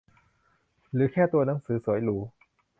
หรือแค่ตัวหนังสือสวยหรู